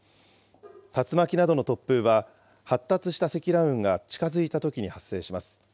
竜巻などの突風は、発達した積乱雲が近づいたときに発生します。